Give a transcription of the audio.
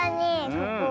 ここ。